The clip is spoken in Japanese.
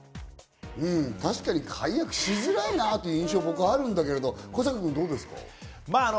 確かに解約しづらいなぁって印象、僕はあるんだけれど、古坂君どうですか？